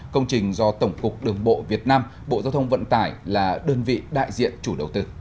công trình do tổng cục đường bộ việt nam bộ giao thông vận tải là đơn vị đại diện chủ đầu tư